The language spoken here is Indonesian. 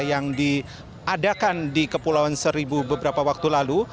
yang diadakan di kepulauan seribu beberapa waktu lalu